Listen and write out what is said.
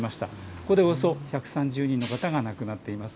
ここでおよそ１３０人の方が亡くなっています。